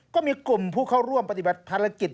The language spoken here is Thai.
ก็มีกลุ่มผู้เข้าร่วมปฏิบัติภารกิจ